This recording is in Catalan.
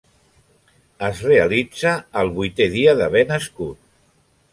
Es realitza al vuitè dia d'haver nascut.